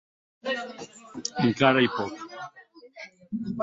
Encara ei pòc.